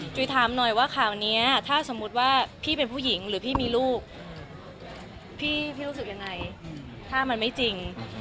ถามหน่อยว่าข่าวนี้ถ้าสมมุติว่าพี่เป็นผู้หญิงหรือพี่มีลูกพี่พี่รู้สึกยังไงถ้ามันไม่จริง